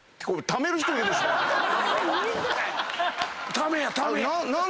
ためやためや！